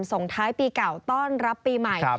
ส่งท้ายปีเก่าต้อนรับปีใหม่